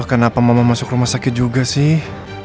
kenapa mama masuk rumah sakit juga sih